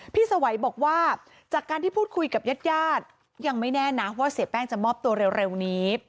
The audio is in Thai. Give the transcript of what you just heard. สวัยบอกว่าจากการที่พูดคุยกับญาติญาติยังไม่แน่นะว่าเสียแป้งจะมอบตัวเร็วนี้